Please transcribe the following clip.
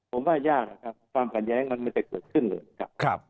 ความกันแย้งมันไม่ได้เกิดขึ้นเลยนะครับ